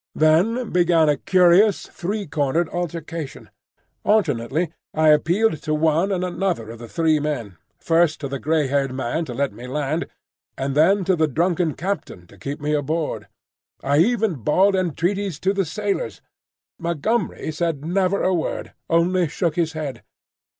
Then began a curious three cornered altercation. Alternately I appealed to one and another of the three men,—first to the grey haired man to let me land, and then to the drunken captain to keep me aboard. I even bawled entreaties to the sailors. Montgomery said never a word, only shook his head.